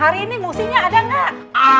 hari ini musinya ada nggak